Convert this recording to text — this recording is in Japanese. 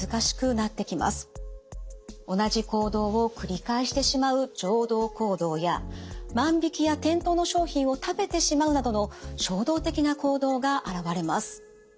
同じ行動を繰り返してしまう常同行動や万引きや店頭の商品を食べてしまうなどの衝動的な行動が現れます。